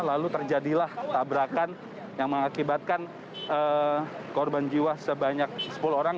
lalu terjadilah tabrakan yang mengakibatkan korban jiwa sebanyak sepuluh orang